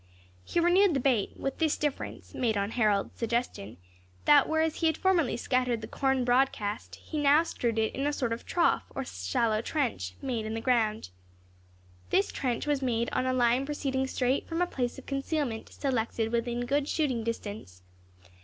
He renewed the bait, with this difference (made on Harold's suggestion) that whereas he had formerly scattered the corn broad cast, he now strewed it in a sort of trough, or shallow trench, made in the ground. This trench was made on a line proceeding straight from a place of concealment, selected within good shooting distance.